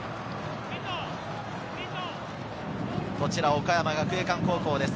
岡山学芸館高校です。